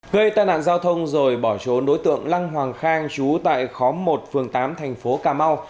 gây tai nạn giao thông rồi bỏ trốn đối tượng lăng hoàng khang chú tại khóm một phường tám thành phố cà mau